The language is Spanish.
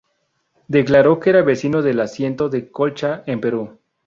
Declaró que era vecino del asiento de Colcha, en Perú.